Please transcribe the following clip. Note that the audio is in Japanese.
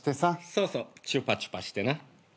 そうそうチュパチュパしてな。